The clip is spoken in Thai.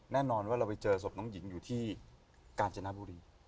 แน่นอนว่าเราไปเจอศพน้องหญิงอยู่ที่กาญจนบุรี